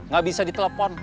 gak bisa ditelepon